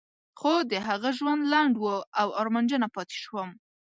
خو د هغه ژوند لنډ و او ارمانجنه پاتې شوم.